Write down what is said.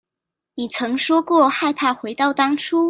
你曾說過害怕回到當初